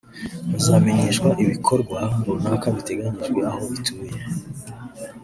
Bazamenyeshwa ibikorwa runaka biteganyijwe aho batuye